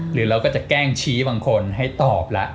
หรือเราก็จะแกล้งชี้บางคนให้ตอบแล้ว